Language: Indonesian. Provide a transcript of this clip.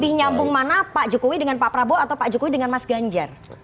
lebih nyambung mana pak jokowi dengan pak prabowo atau pak jokowi dengan mas ganjar